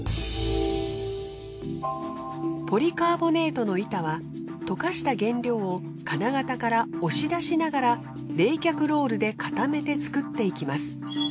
ポリカーボネートの板は溶かした原料を金型から押し出しながら冷却ロールで固めて作っていきます。